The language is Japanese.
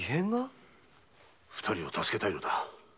二人を助けたいのだ。